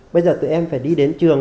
bây giờ tụi em phải đi đến trường